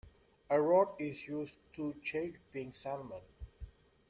A rod is used to catch pink salmon.